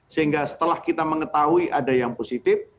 sehingga setelah kita mengetahui ada yang positif